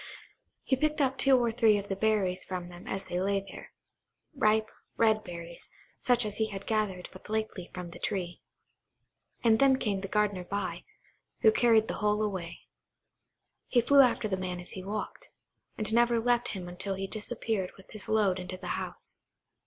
He picked two or three of the berries from them as they lay there,–ripe, red berries, such as he had gathered but lately from the tree; and then came the gardener by, who carried the whole away. He flew after the man as he walked, and never left him until he disappeared with his load into the house.